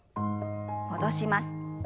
戻します。